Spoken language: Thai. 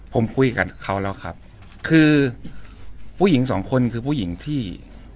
ผมคุยกับเขาแล้วครับคือผู้หญิงสองคนคือผู้หญิงที่